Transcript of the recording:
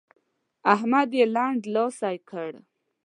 احمد يې لنډلاسی کړ.